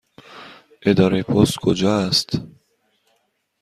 اداره پست کجا است؟